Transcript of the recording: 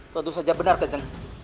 tentu saja benar kanjeng